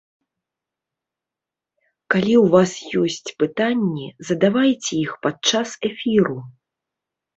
Калі ў вас ёсць пытанні, задавайце іх падчас эфіру!